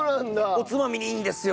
おつまみにいいんですよ。